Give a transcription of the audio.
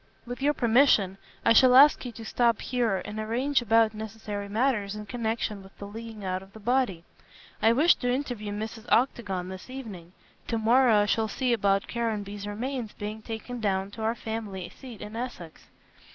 "With your permission, I shall ask you to stop here and arrange about necessary matters in connection with the laying out of the body. I wish to interview Mrs. Octagon this evening. To morrow I shall see about Caranby's remains being taken down to our family seat in Essex."